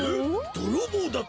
どろぼうだって！？